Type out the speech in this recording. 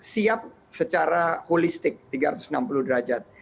siap secara holistik tiga ratus enam puluh derajat